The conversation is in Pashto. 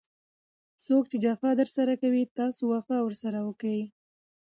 څوک چي جفا درسره کوي؛ تاسي وفا ورسره کوئ!